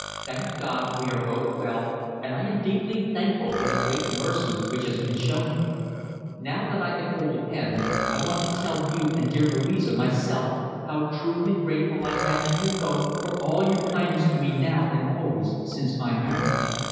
Thank God we are both well and I am deeply thankful for the great mercy which has been shown me. Now that I can hold a pen I want to tell you and dear Louisa myself how truly grateful I am to you both for all your kindness to me now and always since my marriage.